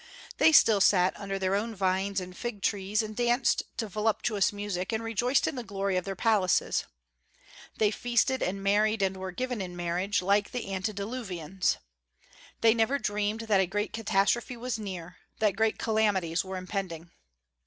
They still sat under their own vines and fig trees, and danced to voluptuous music, and rejoiced in the glory of their palaces. They feasted and married and were given in marriage, like the antediluvians. They never dreamed that a great catastrophe was near, that great calamities were impending.